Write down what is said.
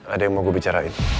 ada yang mau gue bicarain